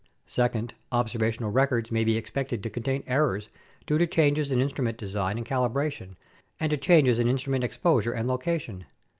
Second, observational records may be expected to contain errors due to changes in instrument design and calibration and to changes in instrument exposure and location.